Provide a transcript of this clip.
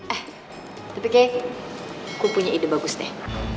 eh tapi kay ku punya ide bagus deh